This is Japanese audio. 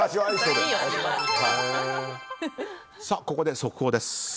ここで速報です。